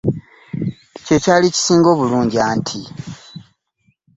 Kye kyali kisinga obulungi anti.